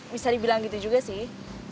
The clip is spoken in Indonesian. bisa dibilang gitu juga sih